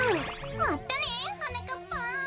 まったねはなかっぱん！